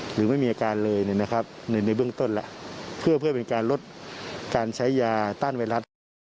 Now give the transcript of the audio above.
หรือไม่มีอาการเลยในเบื้องต้นแล้วเพื่อเป็นการลดการใช้ยาต้านไวรัส